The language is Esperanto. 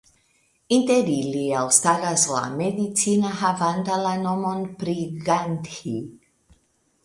Inter ili elstaras la medicina havanta la nomon pri Gandhi.